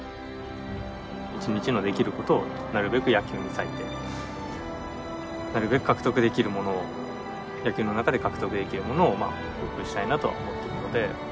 一日のできることをなるべく野球に割いてなるべく獲得できるモノを野球の中で獲得できるモノを多くしたいなとは思っているので。